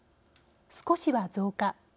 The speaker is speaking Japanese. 「少しは増加」